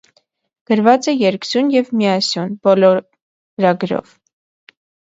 Գրված է երկսյուն և միասյուն, բոլորագրով։